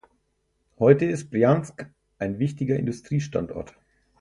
Heute ist Brjansk ein wichtiger Industriestandort.